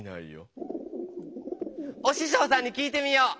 おししょうさんに聞いてみよう！